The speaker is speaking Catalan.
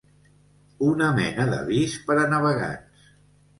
Una mena d'avís per a navegants.